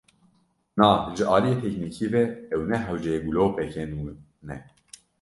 Na, ji aliyê teknîkî ve ew ne hewceyê gulopeke nû ne.